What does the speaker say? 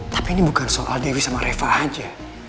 tapi ini bukan soal dewi sama reva aja